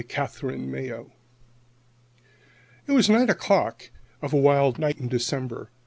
KATHERINE MAYO John G. It was nine o'clock of a wild night in December.